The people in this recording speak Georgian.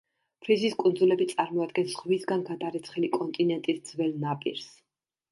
ფრიზის კუნძულები წარმოადგენს ზღვისგან გადარეცხილი კონტინენტის ძველ ნაპირს.